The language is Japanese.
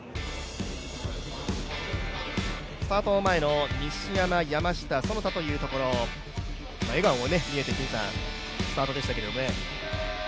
スタート前の西山、山下、其田というところ、笑顔も見えたスタートでしたけどね。